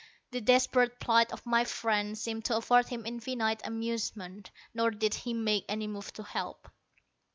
The desperate plight of my friend seemed to afford him infinite amusement. Nor did he make any move to help.